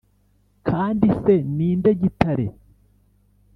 Kandi se ni nde gitare